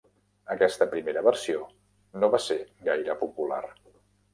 Aquesta primera versió no va ser gaire popular.